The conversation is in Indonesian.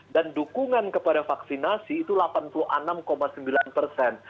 dan dukungan kepada vaksinasi itu delapan puluh enam sembilan persen